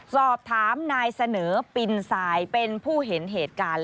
สอบถามนายเสนอปินทรายเป็นผู้เห็นเหตุการณ์